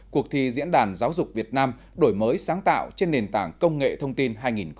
cuộc thi diễn đàn giáo dục việt nam đổi mới sáng tạo trên nền tảng công nghệ thông tin hai nghìn một mươi chín